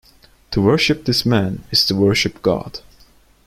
To worship this Man is to worship God.